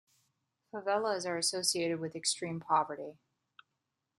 Favelas are associated with extreme poverty.